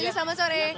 pali selamat sore